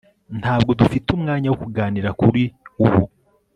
ntabwo dufite umwanya wo kuganira kuri ubu